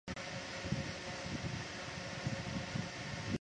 推迟时间的概念意味着电磁波的传播不是瞬时的。